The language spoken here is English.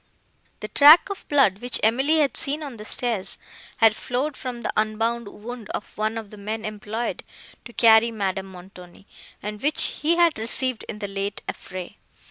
The track of blood, which Emily had seen on the stairs, had flowed from the unbound wound of one of the men employed to carry Madame Montoni, and which he had received in the late affray.